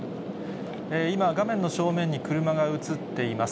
今、画面の正面に車が映っています。